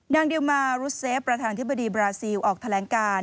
เดียวมารุดเซฟประธานธิบดีบราซิลออกแถลงการ